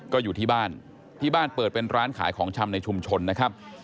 ก็อยู่ที่บ้านที่บ้านเปิดเป็นร้านขายของชำในชุมชนนะครับ